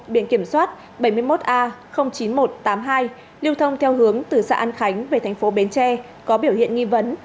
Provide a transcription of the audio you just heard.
biển kiểm soát bảy mươi một a chín nghìn một trăm tám mươi hai lưu thông theo hướng từ xã an khánh về thành phố bến tre có biểu hiện nghi vấn